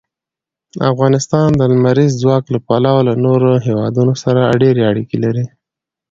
افغانستان د لمریز ځواک له پلوه له نورو هېوادونو سره ډېرې اړیکې لري.